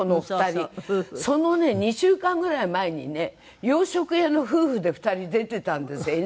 そのね２週間ぐらい前にね洋食屋の夫婦で２人出てたんですＮＨＫで。